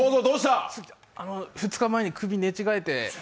２日前に首を寝違えて。